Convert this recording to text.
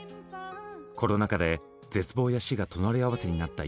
コロナ禍で絶望や死が隣り合わせになった